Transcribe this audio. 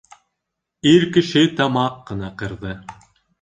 Ир кеше тамаҡ ҡына ҡырҙы.